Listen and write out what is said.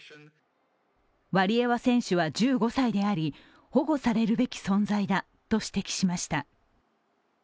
ワリエワ選手は１５歳であり保護されるべき存在だと指摘しました。